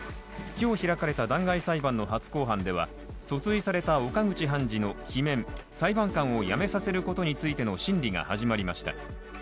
今日開かれた弾劾裁判の初公判では訴追された岡口判事の罷免、裁判官を辞めさせることについての審理が始まりました。